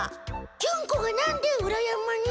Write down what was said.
ジュンコがなんで裏山に？